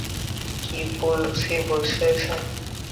কী বলছি বুঝেছেন?